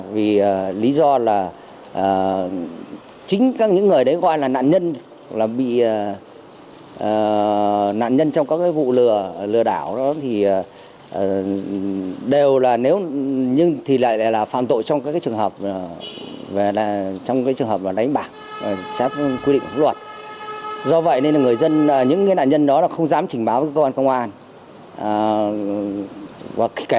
vì lý do là chính những người đấy gọi là nạn nhân là bị nạn nhân trong các vụ lừa đảo đó thì đều là phạm tội trong trường hợp đánh bạc